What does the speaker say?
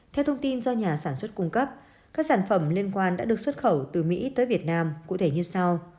theo thông tin do nhà sản xuất cung cấp các sản phẩm liên quan đã được xuất khẩu từ mỹ tới việt nam cụ thể như sau